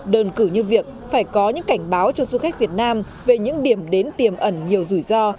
đơn cử như việc phải có những cảnh báo cho du khách việt nam về những điểm đến tiềm ẩn nhiều rủi ro